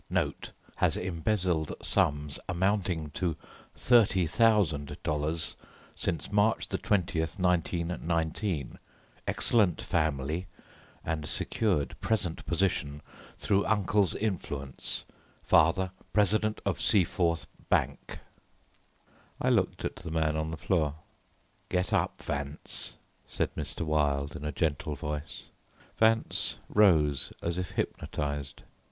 "Note. Has embezzled sums amounting to $30,000 since March 20, 1919, excellent family, and secured present position through uncle's influence. Father, President of Seaforth Bank." I looked at the man on the floor. "Get up, Vance," said Mr. Wilde in a gentle voice. Vance rose as if hypnotized.